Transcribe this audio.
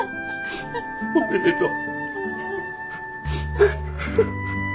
おめでとう。